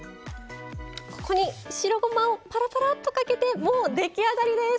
ここに白ごまをぱらぱらっとかけてもう出来上がりです。